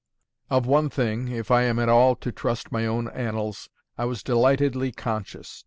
Of one thing, if I am at all to trust my own annals, I was delightedly conscious.